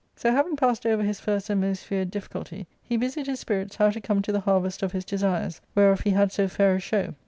So, having passed over his first and most feared difficulty, he busied his spirits how to come to the harvest of his desires, whereof he had so fair a show.